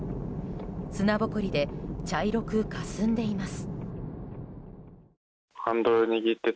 砂ぼこりで茶色くかすんでいます。